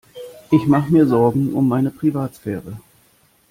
Ich mache mir Sorgen um meine Privatsphäre.